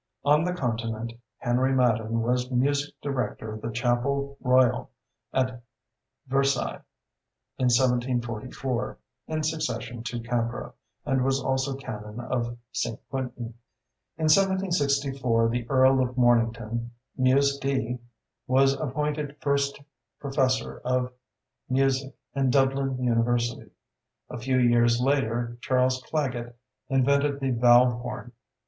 On the continent, Henry Madden was music director of the Chapel Royal at Versailles in 1744 (in succession to Campra), and was also canon of St. Quentin. In 1764 the Earl of Mornington, Mus. D., was appointed first professor of music in Dublin University. A few years later Charles Clagget invented the valve horn.